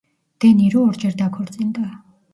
დე ნირო ორჯერ დაქორწინდა.